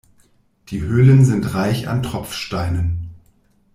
Die Höhlen sind reich an Tropfsteinen.